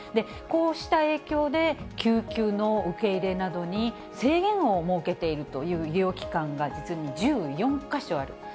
こうした影響で、救急の受け入れなどに制限を設けているという医療機関が実に１４か所ある。